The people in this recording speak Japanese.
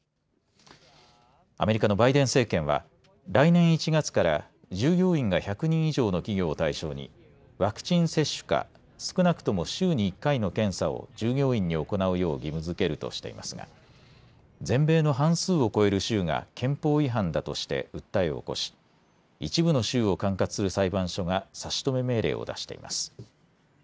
アメリカのバイデン政権は来年１月から従業員が１００人以上の企業を対象にワクチン接種か少なくとも週に１回の検査を従業員に行うよう義務づけるとしていますが全米の半数を超える州が憲法違反だとして訴えを起こし一部の州を管轄する裁判所が差し止め命令を出しています。